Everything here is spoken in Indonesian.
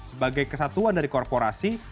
sebagai kesatuan dari korporasi